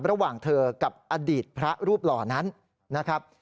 ระหว่างเธอกับอดีตพระรูปหล่อนั้นนะครับ